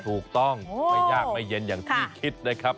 ถูกต้องไม่ยากไม่เย็นอย่างที่คิดนะครับ